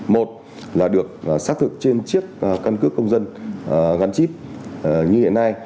một là được xác thực trên chiếc căn cước công dân gắn chip như hiện nay